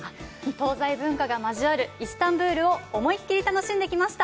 東西文化が交わるイスタンブルを思いっ切り楽しんできました。